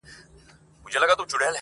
ږغونه ورک دي د ماشومانو!